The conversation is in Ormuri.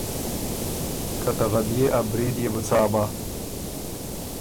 که ته غدئے ا برید يې بو څا بَۀ